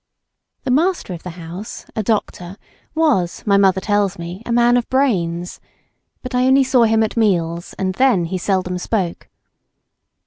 The master of the house, a doctor, was, my mother tells me, a man of brains, but I only saw him at meals and then he seldom spoke.